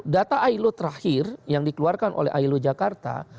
data ailo terakhir yang dikeluarkan oleh ailo jakarta